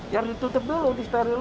yang ditutup dulu disterilkan